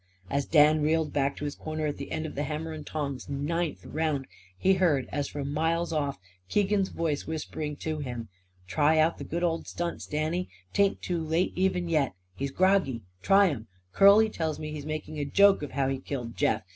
As Dan reeled back to his corner at the end of the hammer and tongs ninth round he heard, as from miles off, Keegan's voice whispering to him: "Try out the good old stunts, Danny! 'Tain't too late, even yet. He's groggy. Try 'em. Curly tells me he's making a joke of how he killed Jeff.